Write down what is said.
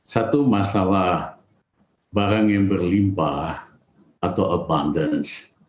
satu masalah barang yang berlimpah atau abundance